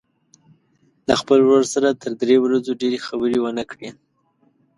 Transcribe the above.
له خپل ورور سره تر درې ورځو ډېرې خبرې ونه کړي.